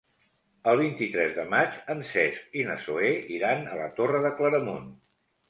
El vint-i-tres de maig en Cesc i na Zoè iran a la Torre de Claramunt.